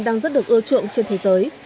đang rất được ưa trượng trên thế giới